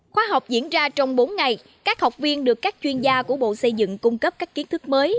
khóa học diễn ra trong bốn ngày các học viên được các chuyên gia của bộ xây dựng cung cấp các kiến thức mới